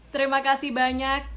terima kasih banyak